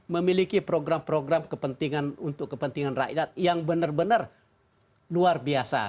memiliki program program kepentingan untuk kepentingan rakyat yang benar benar luar biasa